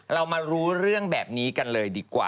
เรามารู้เรื่องแบบนี้กันเลยดีกว่า